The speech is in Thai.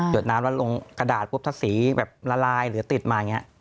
หยดน้ำเราลงกระดาษพรุ่งแท๊บสีละลายหรือติดมาหิงี้